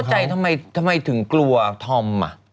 แล้วไม่เข้าใจทำไมถึงกลัวธอม